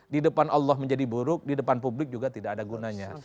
di depan allah menjadi buruk di depan publik juga tidak ada gunanya